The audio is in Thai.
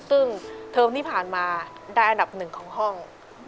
ซึ่งเทอมที่ผ่านมาได้อันดับหนึ่งของห้อง